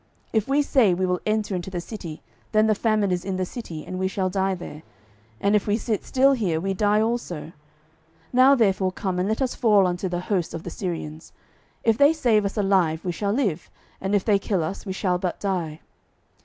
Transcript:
12:007:004 If we say, We will enter into the city, then the famine is in the city, and we shall die there: and if we sit still here, we die also. Now therefore come, and let us fall unto the host of the Syrians: if they save us alive, we shall live; and if they kill us, we shall but die.